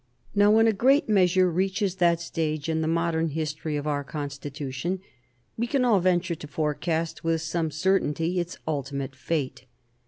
Now, when a great measure reaches that stage in the modern history of our Constitution, we can all venture to forecast, with some certainty, its ultimate fate.